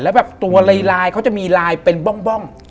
แล้วแบบตัวลายเขาจะมีลายเป็นบ้อง